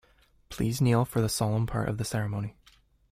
Please kneel for the solemn part of the ceremony.